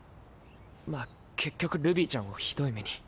まぁ結局ルビーちゃんをひどい目に。